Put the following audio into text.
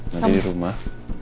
nanti di rumah